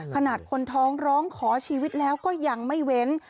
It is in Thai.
คนท้องร้องขอชีวิตแล้วก็ยังไม่เว้น